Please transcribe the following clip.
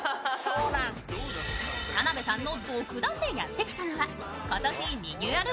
田辺さんの独断でやってきたのは、今年リニューアル